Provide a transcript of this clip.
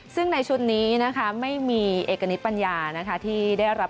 ซึ่งในชุดนี้นะคะไม่มีเอกณิตปัญญานะคะที่ได้รับ